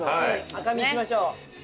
赤身いきましょう。